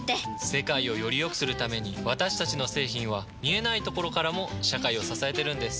世界をよりよくするために私たちの製品は見えないところからも社会を支えてるんです。